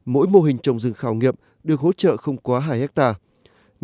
mỗi mô hình trồng rừng khảo nghiệm được hỗ trợ không quá hai hectare